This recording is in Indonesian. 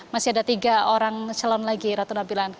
masih ada tiga orang calon lagi ratu nabilan